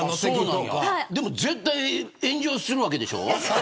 でも絶対炎上するわけでしょ。